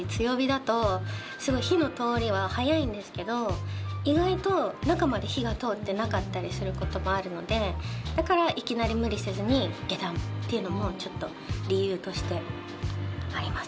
始めて意外と中まで火が通ってなかったりすることもあるのでだからいきなり無理せずに下段っていうのもちょっと理由としてあります